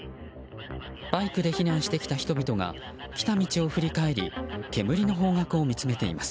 バイクで避難してきた人々が来た道を振り返り煙の方角を見つめています。